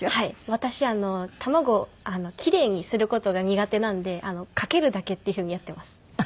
私卵を奇麗にする事が苦手なんでかけるだけっていうふうにやっています卵。